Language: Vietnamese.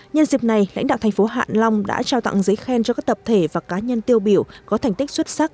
nhân dịp này lãnh đạo thành phố hạ long đã trao tặng giấy khen cho các tập thể và cá nhân tiêu biểu có thành tích xuất sắc